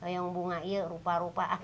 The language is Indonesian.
yang bunga iya rupa rupa